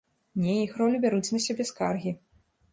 Не, іх ролю бяруць на сябе скаргі.